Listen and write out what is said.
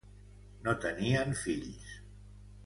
No tenien fills.